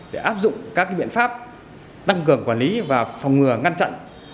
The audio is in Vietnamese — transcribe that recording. để áp dụng các biện pháp tăng cường quản lý và phòng ngừa ngăn chặn